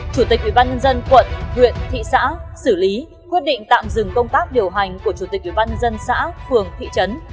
chủ tịch ủy ban nhân dân quận huyện thị xã xử lý quyết định tạm dừng công tác điều hành của chủ tịch ủy ban nhân dân xã phường thị trấn